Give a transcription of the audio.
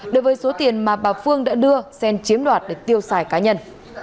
đối với số tiền mà bà phương đã đưa xen chiếm đoạt để tiêu xài cá nhân